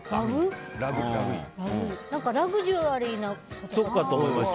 ラグジュアリーなことかと思った。